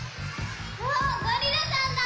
そうゴリラさんだ！